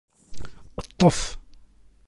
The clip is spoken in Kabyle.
Ṭṭef.